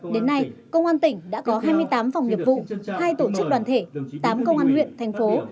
đến nay công an tỉnh đã có hai mươi tám phòng nghiệp vụ hai tổ chức đoàn thể tám công an huyện thành phố